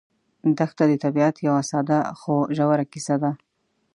دښته د طبیعت یوه ساده خو ژوره کیسه ده.